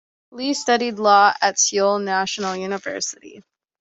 Lee studied law at Seoul National University.